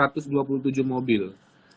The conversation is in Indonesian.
jadi kalau di produkasi ini ya kan